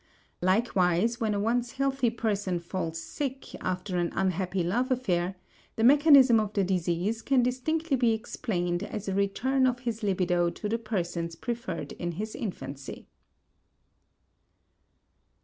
Likewise when a once healthy person falls sick after an unhappy love affair, the mechanism of the disease can distinctly be explained as a return of his libido to the persons preferred in his infancy.